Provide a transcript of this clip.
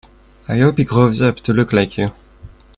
I hope he grows up to look like you.